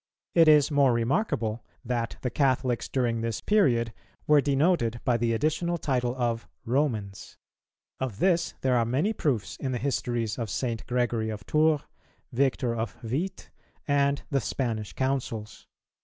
It is more remarkable that the Catholics during this period were denoted by the additional title of "Romans." Of this there are many proofs in the histories of St. Gregory of Tours, Victor of Vite, and the Spanish Councils.